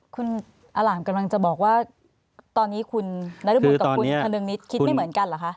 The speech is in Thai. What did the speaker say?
คุณอล่ามกำลังจะบอกว่าตอนนี้คุณนรบุญกับคุณทะเรืองนิดคิดไม่เหมือนกันเหรอคะ